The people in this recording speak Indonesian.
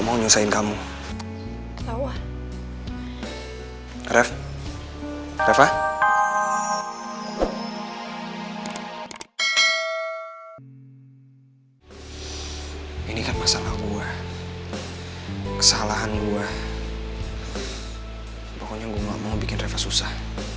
pokoknya gua gak mau bikin reva susah